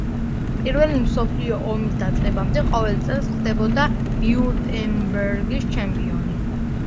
პირველი მსოფლიო ომის დაწყებამდე ყოველ წელს ხდებოდა ვიურტემბერგის ჩემპიონი.